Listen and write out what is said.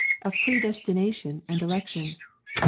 Of Predestination and Election.